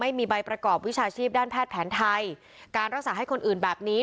ไม่มีใบประกอบวิชาชีพด้านแพทย์แผนไทยการรักษาให้คนอื่นแบบนี้